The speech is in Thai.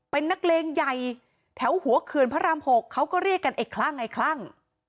เป็นนักเลงใหญ่แถวหัวเขื่อนพระราม๖เขาก็เรียกกันไอ้คลั่งไอ้คลั่ง